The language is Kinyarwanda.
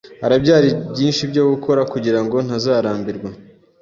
Haracyari byinshi byo gukora, kugirango ntazarambirwa.